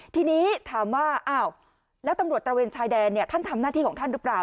ทีนี้ถามว่าอ้าวแล้วตำรวจตระเวนชายแดนท่านทำหน้าที่ของท่านหรือเปล่า